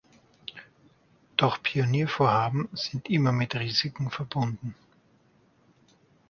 Doch Pioniervorhaben sind immer mit Risiken verbunden.